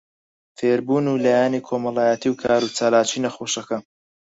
فێربوون و لایەنی کۆمەڵایەتی و کاروچالاکی نەخۆشەکە